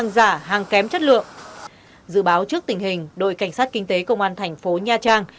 dự báo trước tình hình đội cảnh sát kinh tế công an thành phố nha trang